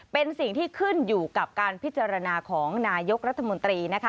เป็นสิ่งที่ขึ้นอยู่กับการพิจารณาของนายกรัฐมนตรีนะคะ